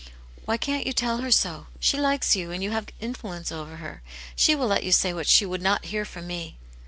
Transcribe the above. " Why can't you tell her so ? She likes you, and you have influence over her. She will let you say what she would not hear from me."